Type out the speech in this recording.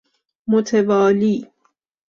متوالی